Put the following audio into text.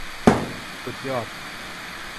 สุดยอด !